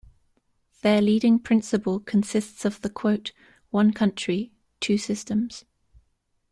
Their leading principle consists of the quote "One country, Two Systems".